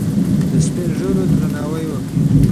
د سپین ږیرو درناوی وکړئ.